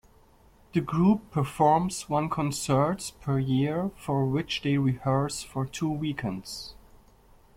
The group performs one concert per year, for which they rehearse for two weekends.